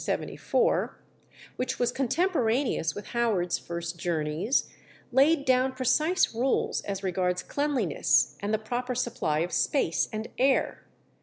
59 (1774), which was contemporaneous with Howard's first journeys, laid down precise rules as regards cleanliness, and the proper supply of space and air.